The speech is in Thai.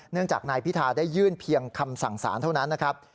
จากนายพิธาได้ยื่นเพียงคำสั่งสารเท่านั้นนะครับ